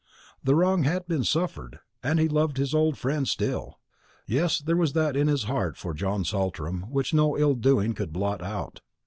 The wrong had been suffered, and he loved his old friend still. Yes, there was that in his heart for John Saltram which no ill doing could blot out.